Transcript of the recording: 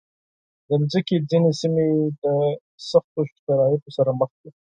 د مځکې ځینې سیمې د سختو شرایطو سره مخ دي.